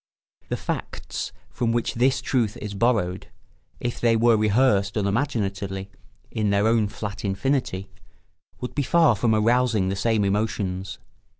The facts from which this truth is borrowed, if they were rehearsed unimaginatively, in their own flat infinity, would be far from arousing the same emotions.